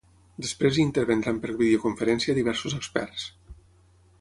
Després hi intervindran per videoconferència diversos experts.